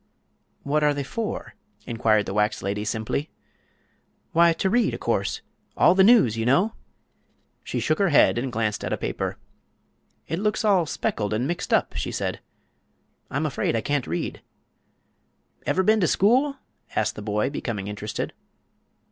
"What are they for?" inquired the wax lady, simply. "W'y, ter read, o' course. All the news, you know." She shook her head and glanced at a paper. "It looks all speckled and mixed up," she said. "I'm afraid I can't read." "Ever ben to school?" asked the boy, becoming interested.